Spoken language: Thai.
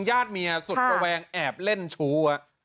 ญาติเมียสุดระแวงแอบเล่นชู้